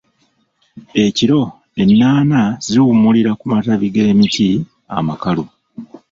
Ekiro ennaana ziwummulira ku matabi g'emiti amakalu.